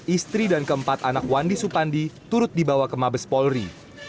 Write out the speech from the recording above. istri dan keempat anak wandi supandi turut dibawa ke mabes polri